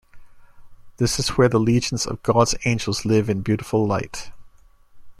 This is where the legions of God's angels live in beautiful light.